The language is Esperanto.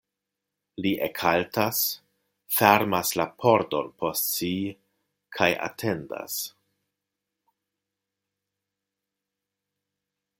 Li ekhaltas, fermas la pordon post si kaj atendas.